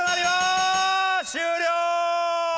終了！